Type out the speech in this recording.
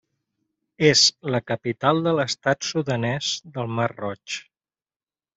És la capital de l'estat sudanès del Mar Roig.